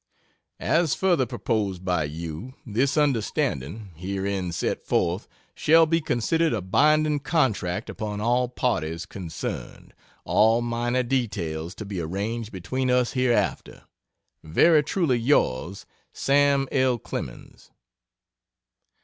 As further proposed by you, this understanding, herein set forth shall be considered a binding contract upon all parties concerned, all minor details to be arranged between us hereafter. Very truly yours, SAM. L. CLEMENS.